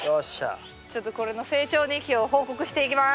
ちょっとこれの成長日記を報告していきます。